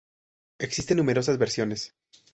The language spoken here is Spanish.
Existen numerosas versiones.